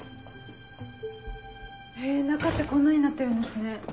へぇ中ってこんなになってるんですね。